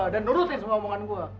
dan nurutin semua omongan gue